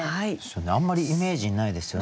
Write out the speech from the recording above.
あんまりイメージにないですよね。